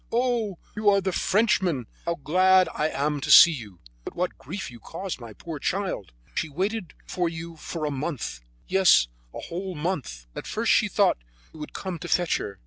"Oh! you are the Frenchman how glad I am to see you! But what grief you caused the poor child! She waited for you a month; yes, a whole month. At first she thought you would come to fetch her.